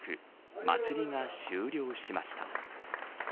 祭りが終了しました。